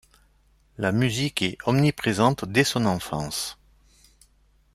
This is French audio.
La musique est omniprésente dès son enfance.